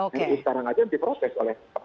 sekarang aja diprotes oleh